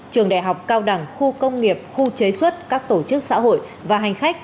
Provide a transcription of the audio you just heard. trường đại học cao đẳng khu công nghiệp khu chế xuất các tổ chức xã hội và hành khách